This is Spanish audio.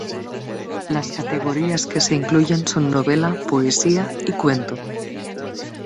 Las categorías que se incluyen son novela, poesía y cuento.